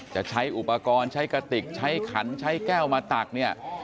จะใช้อุปกรณ์ใช้กระติกใช้ขันใช้แก้วมาตักเนี่ย